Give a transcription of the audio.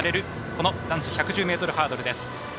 この男子１１０ｍハードルです。